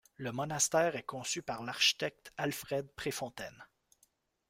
Le monastère est conçu par l’architecte Alfred Préfontaine.